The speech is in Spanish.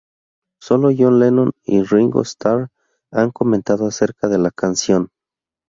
Sólo John Lennon y Ringo Starr han comentado acerca de la canción.